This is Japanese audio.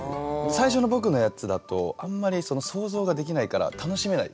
最初の僕のやつだとあんまり想像ができないから楽しめない。